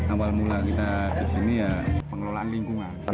awal mula kita di sini ya pengelolaan lingkungan